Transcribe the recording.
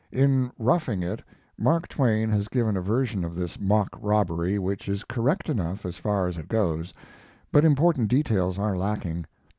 In 'Roughing It' Mark Twain has given a version of this mock robbery which is correct enough as far as it goes; but important details are lacking.